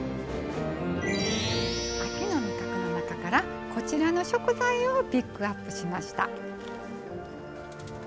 秋の味覚の中からこちらの食材をピックアップしました。